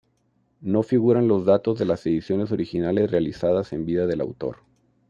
No figuran los datos de las ediciones originales realizadas en vida del autor.